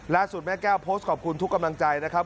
แม่แก้วโพสต์ขอบคุณทุกกำลังใจนะครับ